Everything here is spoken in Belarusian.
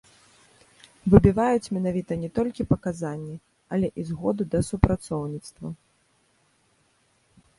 Выбіваюць менавіта не толькі паказанні, але і згоду да супрацоўніцтва.